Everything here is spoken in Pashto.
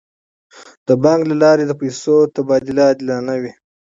د بانک له لارې د پیسو تبادله عادلانه وي.